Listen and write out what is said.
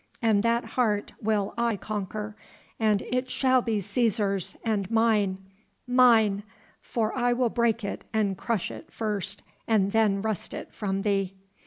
and that heart will I conquer; and it shall be Cæsar's and mine mine for I will break it and crush it first and then wrest it from thee!"